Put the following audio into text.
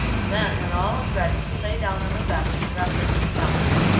Then, when all was ready, he lay down on the bench and rested himself.